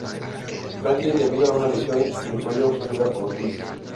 Franklin debido a una lesión en el cuello sufrida por Ortiz.